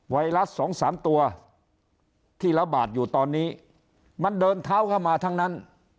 ไวรัสสองสามตัวที่ระบาดอยู่ตอนนี้มันเดินเท้าเข้ามาทั้งนั้น